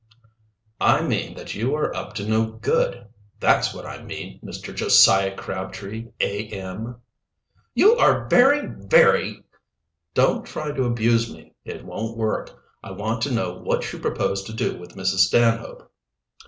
"I mean that you are up to no good; that's what I mean, Mr. Josiah Crabtree, A. M." "You are very, very " "Don't try to abuse me, it won't work. I want to know what you propose to do with Mrs. Stanhope."